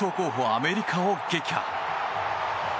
アメリカを撃破。